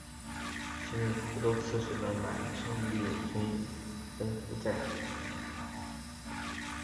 时任虢州刺史的满存率军奔赴行在。